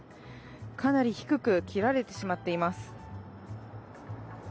かなり低く切られてしまっています。